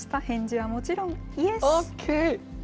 返事はもちろん、イエス。